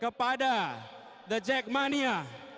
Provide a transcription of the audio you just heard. kepada dajak mania